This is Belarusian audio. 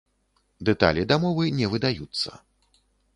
Дэталі дамовы не выдаюцца.